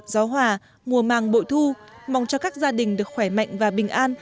gió hòa mùa màng bội thu mong cho các gia đình được khỏe mạnh và bình an